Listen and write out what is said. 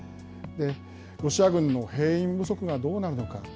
ロシア軍の兵員不足がどうなるのか。